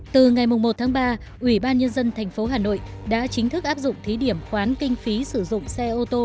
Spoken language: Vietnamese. từ ngày một tháng ba ủy ban nhân dân tp hà nội đã chính thức áp dụng thí điểm khoán kinh phí sử dụng xe ô tô